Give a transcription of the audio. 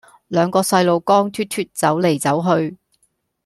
兩個細路光脫脫走黎走去